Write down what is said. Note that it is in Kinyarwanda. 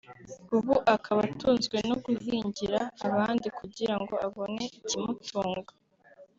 ubu akaba atunzwe no guhingira abandi kugira ngo abone ikimutunga